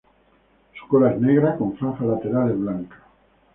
Su cola es negra con franjas laterales blancas.